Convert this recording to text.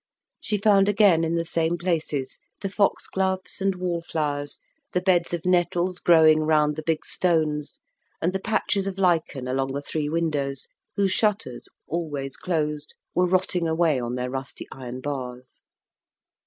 She found again in the same places the foxgloves and wallflowers, the beds of nettles growing round the big stones, and the patches of lichen along the three windows, whose shutters, always closed, were rotting away on their rusty iron bars.